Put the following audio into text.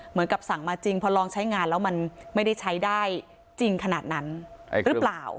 เหมือนกับสั่งมาจริงพอลองใช้งานแล้วมันไม่ได้ใช้ได้จริงขนาดนั้นหรือเปล่า